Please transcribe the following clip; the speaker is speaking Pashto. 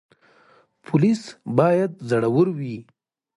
پولیس باید زړور وي